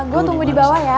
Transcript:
gue tunggu di bawah ya